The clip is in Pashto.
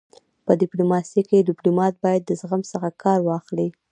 په ډيپلوماسی کي ډيپلومات باید د زغم څخه کار واخلي.